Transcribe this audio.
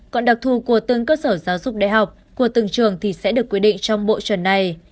còn đặc thù của từng cơ sở giáo dục đại học của từng trường thì sẽ được quy định trong bộ chuẩn này